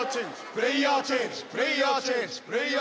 プレーヤーチェンジプレーヤーチェンジ。